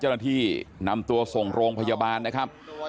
เจ้าหน้าที่นำตัวส่งโรงพยาบาลนะครับ